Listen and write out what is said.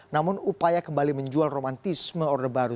namun upaya kembali menjual romantisme orde baru